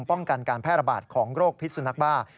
ป้องกันการแพร่ระบาดของโรคพิษสุนักบ้า